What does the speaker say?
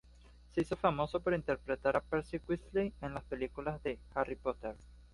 Se hizo famoso por interpretar a Percy Weasley en las películas de "Harry Potter".